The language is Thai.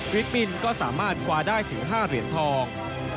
ปินส์ก็สามารถคว้าได้ถึง๕เหรียญทอง